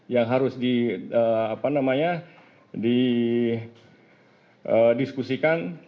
yang harus didiskusikan